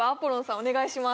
お願いします